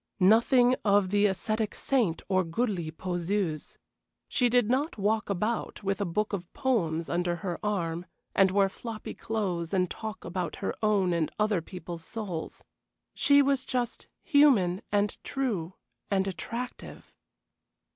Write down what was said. Nothing of the ascetic saint or goody poseuse. She did not walk about with a book of poems under her arm, and wear floppy clothes and talk about her own and other people's souls. She was just human and true and attractive.